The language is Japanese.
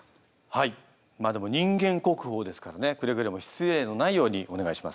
はいまあでも人間国宝ですからねくれぐれも失礼のないようにお願いします。